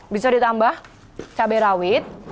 bisa ditambah cabai rawit